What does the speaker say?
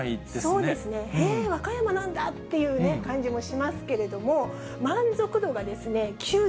そうですね、へー、和歌山なんだっていうね、感じもしますけれども、高い。